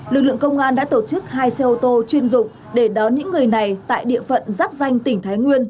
lực lượng công an đã tổ chức hai xe ô tô chuyên dụng để đón những người này tại địa phận giáp danh tỉnh thái nguyên